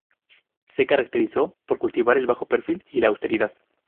Se caracterizó por cultivar el bajo perfil y la austeridad.